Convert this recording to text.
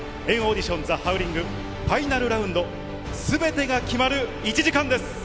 ＆ＡＵＤＩＴＩＯＮザ・ハウリング、ファイナルラウンド、すべてが決まる１時間です。